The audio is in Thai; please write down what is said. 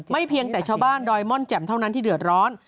เพียงแต่ชาวบ้านดอยม่อนแจ่มเท่านั้นที่เดือดร้อน